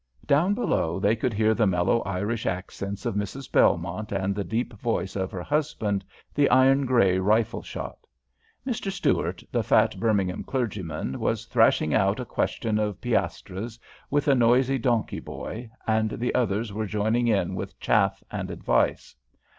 Down below they could hear the mellow Irish accents of Mrs. Belmont and the deep voice of her husband, the iron grey rifleshot. Mr. Stuart, the fat Birmingham clergyman, was thrashing out a question of piastres with a noisy donkey boy, and the others were joining in with chaff and advice.